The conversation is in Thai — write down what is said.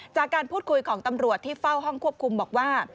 จากการพูดคุยของตำรวจที่เฝ้าห้องควบคุมบอกว่า